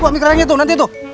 buat mikrofonnya tuh nanti tuh